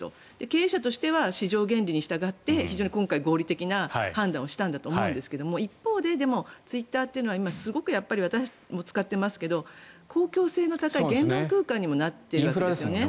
経営者としては市場原理に従って非常に今回、合理的な判断をしたんだと思いますが一方、ツイッターは私たちも使っていますが公共性の高い言論空間にもなっているわけですね。